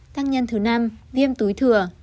tăng nhân thứ năm viêm túi thừa